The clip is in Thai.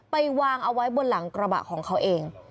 ไปวางเอาไว้บนหลังกระบะของเขาเอง